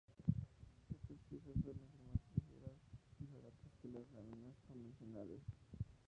Estas piezas suelen ser más ligeras y baratas que las láminas convencionales.